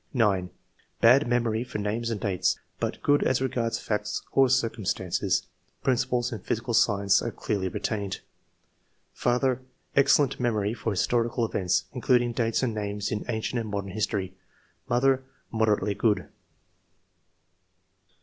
'' 9. *' Bad memory for names and dates, but good as regards facts or circumstances; princi ples in physical science are clearly retained. Father — Excellent memory for historicjil events, including dates and names in ancient and modern history. Mother — Moderately good."